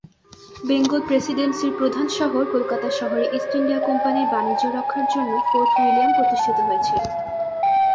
বেঙ্গল প্রেসিডেন্সির প্রধান শহর কলকাতা শহরে ইস্ট ইন্ডিয়া কোম্পানির বাণিজ্য রক্ষার জন্য ফোর্ট উইলিয়াম প্রতিষ্ঠিত হয়েছিল।